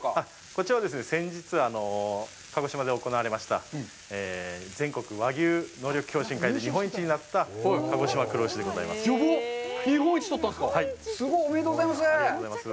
こちらは、先日、鹿児島で行われました全国和牛能力共進会で日本一になった鹿児島黒牛でございます。